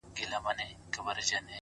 پر مخ وريځ!!